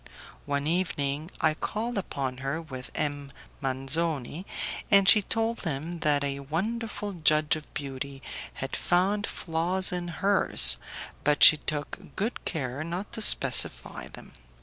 One evening I called upon her with M. Manzoni, and she told him that a wonderful judge of beauty had found flaws in hers, but she took good care not to specify them.